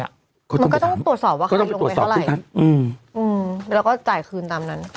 มันก็ต้องตรวจสอบว่าใครลงไปเท่าไหร่แล้วก็จ่ายคืนตามนั้น